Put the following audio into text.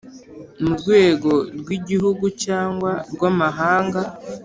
murwego rwigihugu cyangwa rwamahanga